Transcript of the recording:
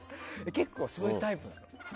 結構そういうタイプなの？